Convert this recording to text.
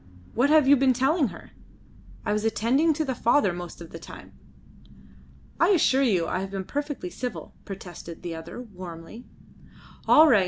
What have you been telling her? I was attending to the father most of the time." "I assure you I have been perfectly civil," protested the other warmly. "All right.